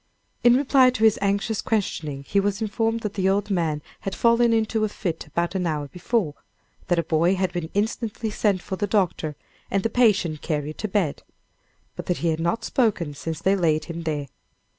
In reply to his anxious questioning, he was informed that the old man had fallen into a fit about an hour before that a boy had been instantly sent for the doctor, and the patient carried to bed; but that he had not spoken since they laid him there.